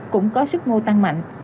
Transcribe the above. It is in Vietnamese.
cũng có sức ngô tăng mạnh